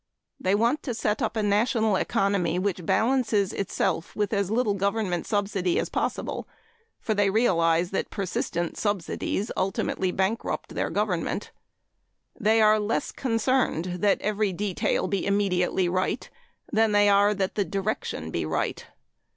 They want to set up a national economy which balances itself with as little government subsidy as possible, for they realize that persistent subsidies ultimately bankrupt their government. They are less concerned that every detail be immediately right than they are that the direction be right.